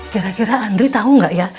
kira kira andri tau gak ya